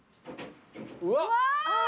うわ！